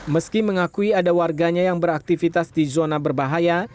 meski mengakui ada warganya yang beraktivitas di zona berbahaya